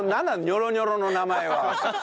ニョロニョロの名前は。